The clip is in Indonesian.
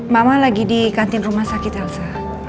mama lagi di kantin rumah sakit elsa